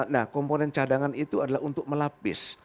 nah komponen cadangan itu adalah untuk melapis